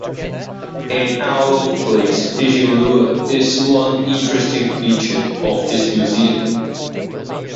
An out-of-place fishing lure is one interesting feature of this museum.